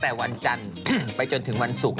ทำไมเป็นงูอ่ะ